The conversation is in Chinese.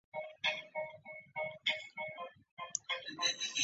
等指海葵是海葵科海葵属的一种。